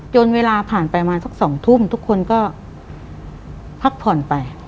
จนเวลาผ่านไปสักสองทุ่มทุกคนก็พักผ่อนไป